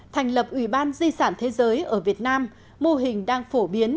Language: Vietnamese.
thành lập ủy ban di sản thế giới ở việt nam mô hình đang phổ biến